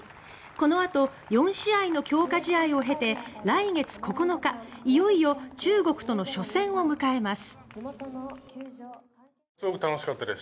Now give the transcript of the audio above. このあと４試合の強化試合を経て来月９日、いよいよ中国との初戦を迎えます。